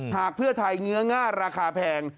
หากเพื่อไทยเงื้อง่าราคาแพง